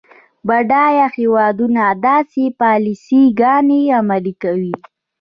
بډایه هیوادونه داسې پالیسي ګانې عملي کوي.